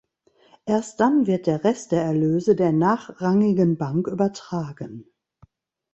Erst dann wird der Rest der Erlöse der nachrangigen Bank übertragen.